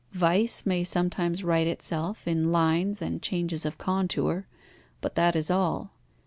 Vice may sometimes write itself in lines and changes of contour, but that is all.